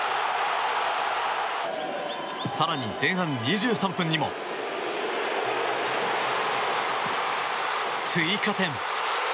更に前半２３分にも、追加点。